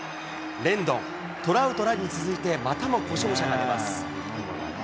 レンドン、トラウトらに続いて、続いてまたも故障者が出ます。